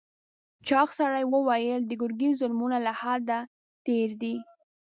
چاغ سړي وویل د ګرګین ظلمونه له حده تېر دي.